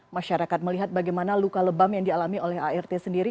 masyarakat melihat bagaimana luka lebam yang dialami oleh art sendiri